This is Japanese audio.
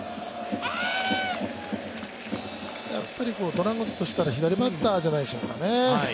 ドラゴンズとしたら、左バッターじゃないでしょうかね。